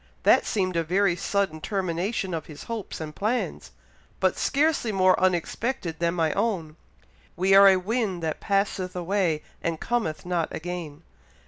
That seemed a very sudden termination of his hopes and plans, but scarcely more unexpected than my own. 'We are a wind that passeth away and cometh not again.'